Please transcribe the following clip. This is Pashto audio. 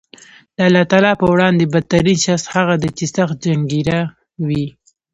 د الله تعالی په وړاندې بد ترین شخص هغه دی چې سخت جنګېره وي